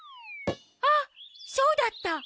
あっそうだった！